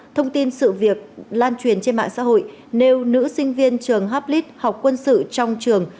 thông tin sự việc lan truyền trên mạng xã hội nêu nữ sinh viên trường hablis học quân sự trong trường